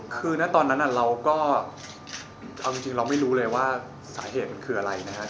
คือณตอนนั้นเราก็เอาจริงเราไม่รู้เลยว่าสาเหตุมันคืออะไรนะครับ